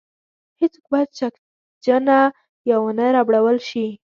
هېڅوک باید شکنجه یا ونه ربړول شي.